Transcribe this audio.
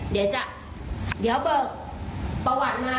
เดี๋ยวจะเอาประวัติมา